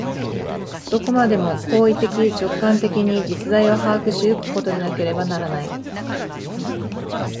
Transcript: どこまでも行為的直観的に実在を把握し行くことでなければならない。